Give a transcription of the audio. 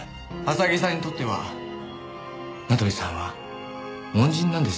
浅木さんにとっては名取さんは恩人なんですよ。